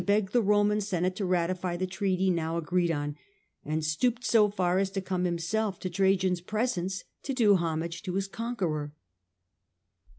beg the Roman senate to ratify the treaty now agreed on, and stooped so far as to come himself to Trajan^s presence, to do homage to his conqueror.